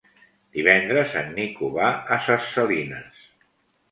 Divendres en Nico va a Ses Salines.